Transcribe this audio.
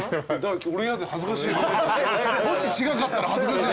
俺嫌だ恥ずかしい。